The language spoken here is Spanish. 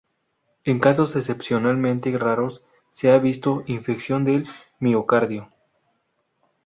En casos excepcionalmente raros se ha visto infección del miocardio.